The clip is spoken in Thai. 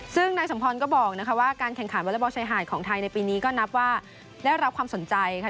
ซึ่งนายสมพรก็บอกนะคะว่าการแข่งขันวอเล็กบอลชายหาดของไทยในปีนี้ก็นับว่าได้รับความสนใจค่ะ